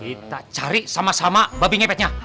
kita cari sama sama babi ngepetnya